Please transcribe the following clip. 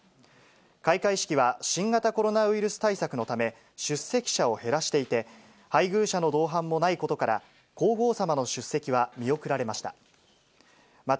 開会式は新型コロナウイルス対策のため、出席者を減らしていて、配偶者の同伴もないことから、皇后さまの出席は見送られました。